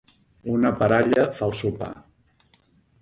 una paralla fa el sopar